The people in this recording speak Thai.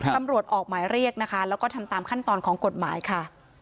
ตำรวจออกหมายเรียกนะคะแล้วก็ทำตามขั้นตอนของกฎหมายค่ะ